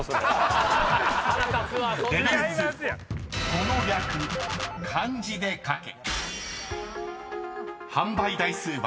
［この略漢字で書け］